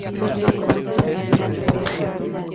Es una especie de agua dulce.